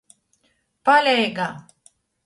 Paeigā!